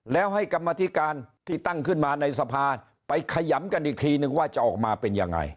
แล้วให้กรรมธิการที่ตั้งขึ้นมาในสภาไปขยำกันอีกทีนึงว่าจะออกมาเป็นยังไง